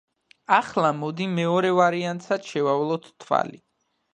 ახლა მოდი მეორე ვარიანტსაც შევავლოთ თვალი.